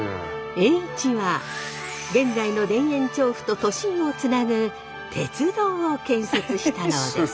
栄一は現在の田園調布と都心をつなぐ鉄道を建設したのです。